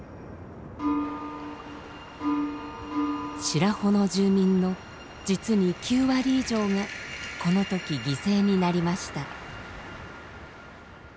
白保の住民の実に９割以上がこの時犠牲になりました。